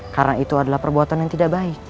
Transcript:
karena itu adalah perbuatan yang tidak baik